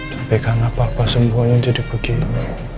tapi kenapa semua ini jadi begini